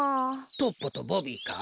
トッポとボビーか？